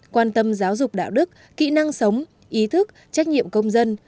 quan tâm giáo dục đạo đức kỹ năng sống ý thức trách nhiệm công dân